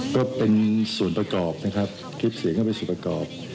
ก็เป็นส่วนประกอบนะครับคลิปเสียงก็เป็นส่วนประกอบ